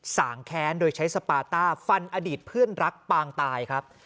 สางแค้นโดยใช้สปาต้าฟันอดีตเพื่อนรักปางตายครับ